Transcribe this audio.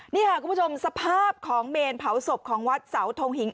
นี่ค่ะคุณผู้ชมสภาพของเมนเผาศพของวัดเสาทงหิง